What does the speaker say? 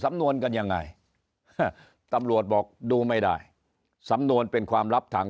สำนวนกันยังไงตำรวจบอกดูไม่ได้สำนวนเป็นความลับทาง